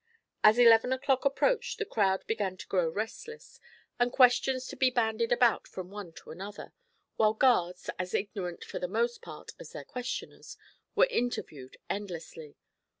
As eleven o'clock approached the crowd began to grow restless, and questions to be bandied about from one to another, while guards, as ignorant for the most part as their questioners, were interviewed endlessly.